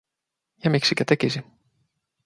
Ja miksikä tekisi?